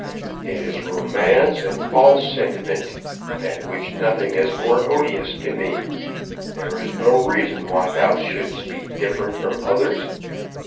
"It is romance and false sentiment, than which nothing is more odious to me. There is no reason why thou shouldst be different from others.